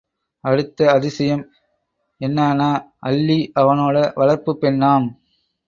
அடுத்த அதிசயம் என்னான்னா, அல்லி அவனோட வளர்ப்புப் பெண்ணாம்!